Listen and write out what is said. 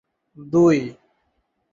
দুই